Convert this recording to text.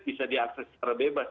bisa diakses secara bebas